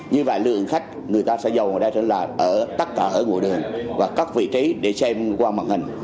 như vậy lượng khách người ta sẽ dầu ra tất cả ở ngôi đường và các vị trí để xem qua mặt hình